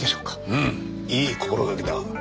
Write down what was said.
うんいい心がけだ。